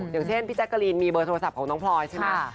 อย่างเช่นพี่แจ๊กกะลีนมีเบอร์โทรศัพท์ของน้องพลอยใช่ไหม